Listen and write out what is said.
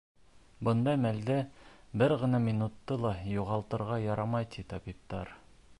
Бындай мәлдә бер генә минутты ла юғалтырға ярамай, ти табиптар.